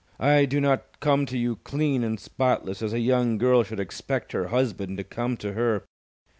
I do not come to you clean and spotless as a young girl should expect her husband to come to her.